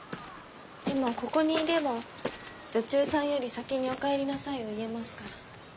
でもここにいれば女中さんより先に「お帰りなさい」を言えますから。